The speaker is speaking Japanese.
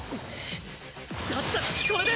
だったらこれで！